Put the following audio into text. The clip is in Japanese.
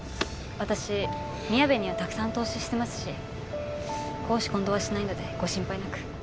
私みやべにはたくさん投資してますし公私混同はしないのでご心配なく。